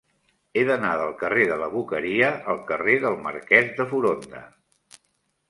He d'anar del carrer de la Boqueria al carrer del Marquès de Foronda.